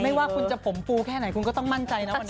ว่าคุณจะผมฟูแค่ไหนคุณก็ต้องมั่นใจนะวันนี้